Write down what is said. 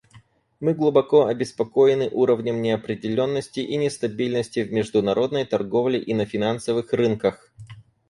Мы глубоко обеспокоены уровнем неопределенности и нестабильности в международной торговле и на финансовых рынках.